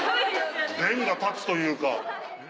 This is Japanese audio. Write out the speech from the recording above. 弁が立つというか。